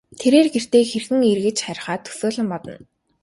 Тэрээр гэртээ хэрхэн эргэж харихаа төсөөлөн бодно.